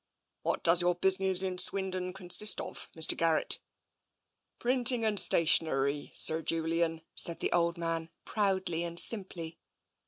" What does your business in Swindon consist of, Mr. Garrett?" " Printing and stationery, Sir Julian," said the old man, proudly and simply.